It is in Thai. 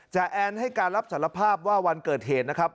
แอนให้การรับสารภาพว่าวันเกิดเหตุนะครับ